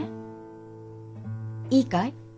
いいかい？